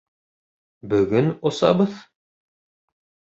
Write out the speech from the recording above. — Бөгөн осабыҙ?!